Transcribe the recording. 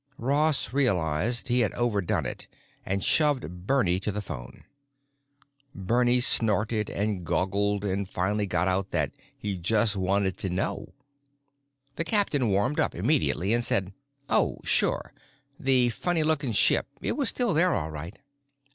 Ross realized he had overdone it and shoved Bernie at the phone. Bernie snorted and guggled and finally got out that he jus' wannit ta know. The captain warmed up immediately and said oh, sure, the funny lookin' ship, it was still there all right.